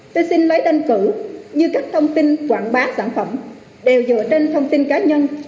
tôi xin lấy tên cử như các thông tin quảng bá sản phẩm đều dựa trên thông tin cá nhân